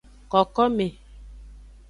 Kokome.